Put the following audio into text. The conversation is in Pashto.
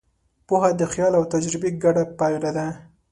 پوهه د خیال او تجربې ګډه پایله ده.